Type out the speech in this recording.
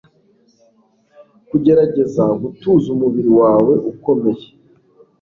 kugerageza gutuza umubiri wawe ukomeye